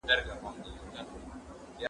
زه شګه نه پاکوم؟!